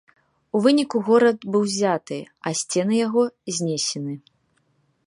У выніку горад быў узяты, а сцены яго знесены.